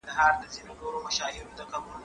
زه اوږده وخت قلم استعمالوموم وم؟